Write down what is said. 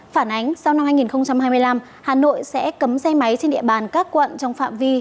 phản ánh sau năm hai nghìn hai mươi năm hà nội sẽ cấm xe máy trên địa bàn các quận trong phạm vi